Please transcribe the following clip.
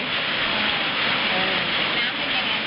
น้ำให้ยังไง